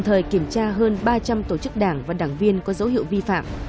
tra hơn ba trăm linh tổ chức đảng và đảng viên có dấu hiệu vi phạm